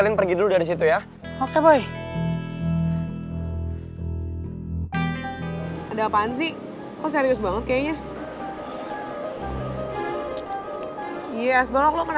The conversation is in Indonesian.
iya asbalok lu kenapa sih gak jawab gue